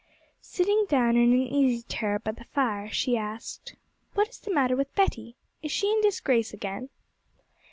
Sitting down in an easy chair by the fire she asked, 'What is the matter with Betty? is she in disgrace again?'